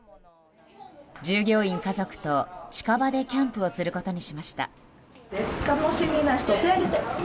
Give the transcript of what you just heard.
従業員家族と近場でキャンプをすることにしました。